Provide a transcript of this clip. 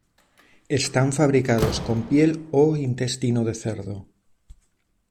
Están fabricados con piel o intestino de cerdo.